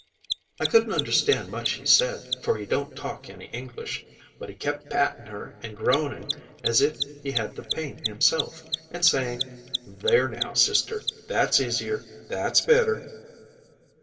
I couldn't understand much he said, for he don't talk any English, but he kept patting her and groaning as if he had the pain himself, and saying, 'There now, sister, that's easier, that's better!